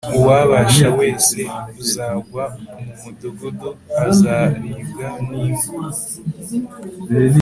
Uwa Bāsha wese uzagwa mu mudugudu azaribwa n’imbwa